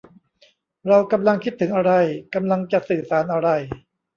เรากำลังคิดถึงอะไร กำลังจะสื่อสารอะไร